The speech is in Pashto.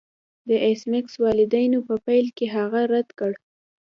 د ایس میکس والدینو په پیل کې هغه رد کړ